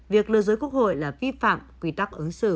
việc lừa dối quốc hội là vi phạm quy tắc ứng xử